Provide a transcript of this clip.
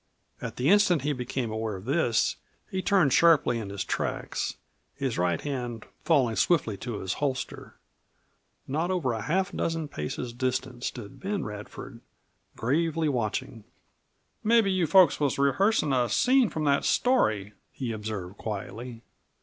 At the instant he became aware of this he turned sharply in his tracks, his right hand falling swiftly to his holster. Not over half a dozen paces distant stood Ben Radford, gravely watching. "Mebbe you folks are rehearsing a scene from that story," he observed quietly.